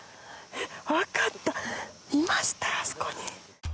分かったいましたあそこに。